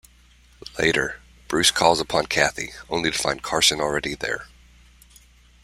Later, Bruce calls upon Kathy, only to find Carson already there.